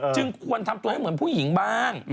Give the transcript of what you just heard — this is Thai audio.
จึงควรทำตัวให้เหมือนผู้หญิงบ้าง